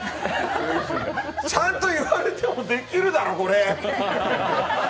ちゃんと言われてもできるだろ、これ！